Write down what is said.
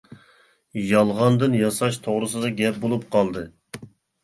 -يالغاندىن ياساش توغرىسىدا گەپ بولۇپ قالدى.